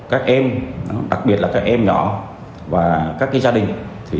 các em đặc biệt là các em nhỏ và các gia đình